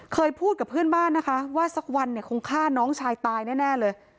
เคยพูดกับเพื่อนบ้านนะคะว่าสักวันเนี่ยคงฆ่าน้องชายตายแน่เลย